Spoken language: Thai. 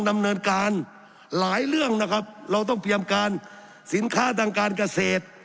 ดำเนินการหลายเรื่องนะครับเราต้องเตรียมการสินค้าทางการเกษตร